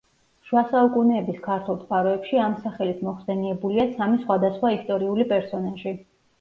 შუა საუკუნეების ქართულ წყაროებში ამ სახელით მოხსენიებულია სამი სხვადასხვა ისტორიული პერსონაჟი.